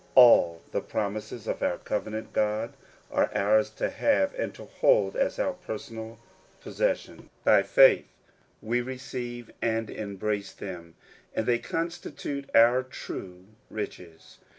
All the promises of our covenant God are ours to have and to hold as our personal possession. By faith ^we receive and embrace them, and they constitute our true riches.